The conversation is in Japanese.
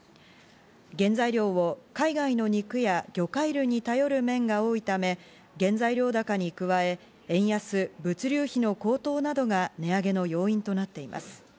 原材料を海外の肉や魚介類に頼る面が多いため、原材料高に加え、円安、物流費の高騰などが値上げの要因となっています。